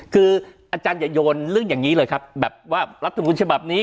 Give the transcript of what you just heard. คืออาจารย์อย่าโยนเรื่องอย่างนี้เลยครับแบบว่ารัฐมนุนฉบับนี้